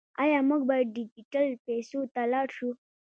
آیا موږ باید ډیجیټل پیسو ته لاړ شو؟